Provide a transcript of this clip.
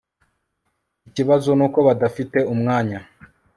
Ikibazo nuko badafite umwanya